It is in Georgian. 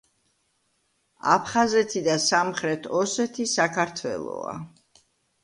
აფხაზეთი და სამხრეთ ოსეთ საქართველოა!